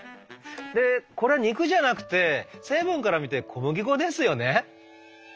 でこれ肉じゃなくて成分から見て小麦粉ですよね」。